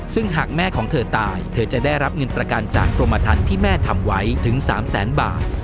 ซึ่งหากแม่ของเธอตายเธอจะได้รับเงินประกันจากกรมทันที่แม่ทำไว้ถึง๓แสนบาท